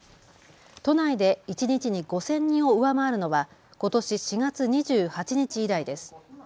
都内で一日に５０００人を上回るのはことし４月２８日以来です。